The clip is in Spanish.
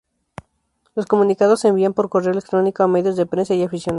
Los comunicados se envían por correo electrónico a medios de prensa y aficionados.